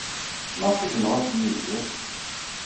Maɣef ay tenɣamt Yidir?